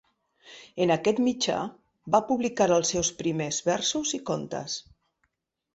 En aquest mitjà va publicar els seus primers versos i contes.